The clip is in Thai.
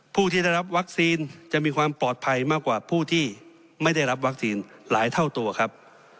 ผู้ที่ได้รับวัคซีนจะมีความปลอดภัยมากกว่าผู้ที่ไม่ได้รับวัคซีนหลายเท่าตัวครับ